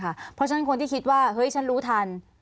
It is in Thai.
เข้าใจค่ะเพราะฉะนั้นคนที่คิดว่าเฮ้ยฉันรู้ทัน